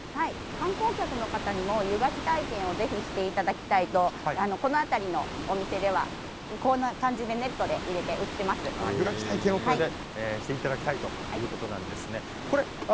観光客の方にも湯がき体験をぜひしていただきたいとこの辺りのお店ではこんな感じで湯がき体験をしていただきたいということですね。